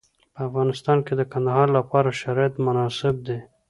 په افغانستان کې د کندهار لپاره شرایط مناسب دي.